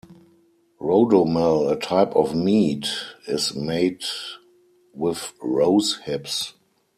Rhodomel, a type of mead, is made with rose hips.